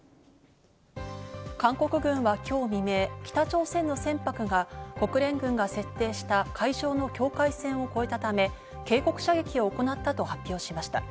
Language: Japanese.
韓国軍は今日未明、北朝鮮の船舶が国連軍が設定した海上の境界線を越えたため、警告射撃を行ったと発表しました。